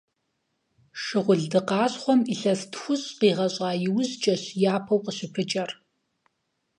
Шыгъулды къащхъуэм илъэс тхущӀ къигъэщӀа иужькӀэщ япэу къыщыпыкӀэр.